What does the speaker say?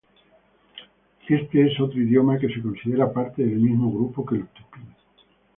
Este es otro idioma que se considera parte del mismo grupo que el tupí.